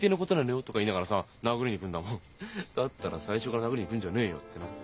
だったら最初から殴りに来るんじゃねえよってな。